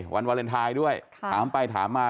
วันวาเลนไทยด้วยถามไปถามมา